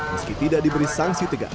meski tidak diberi sanksi tegas